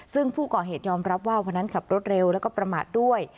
ซึ่งผู้ก่อเหตุยอมรับว่าวันนั้นขับรถเร็วแล้วก็ประมาทด้วย